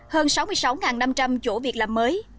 hơn sáu mươi sáu năm trăm linh chỗ việc làm mới